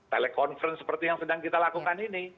telekonferensi seperti yang sedang kita lakukan ini